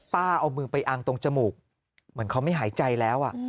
เอามือไปอังตรงจมูกเหมือนเขาไม่หายใจแล้ว